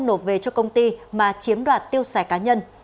nộp về cho công ty mà chiếm đoạt tiêu xài cá nhân